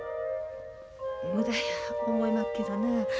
無駄や思いまっけどな。